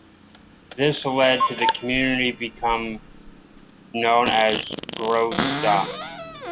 This led to the community become known as Groce's Stop.